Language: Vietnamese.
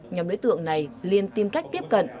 nhóm đối tượng này liên tìm cách tiếp cận